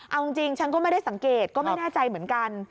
เอาจริงฉันก็ไม่ได้สังเกตก็ไม่แน่ใจเหมือนกัน